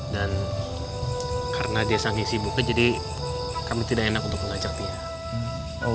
dan karena dia sangat sibuknya jadi kami tidak enak untuk mengajaknya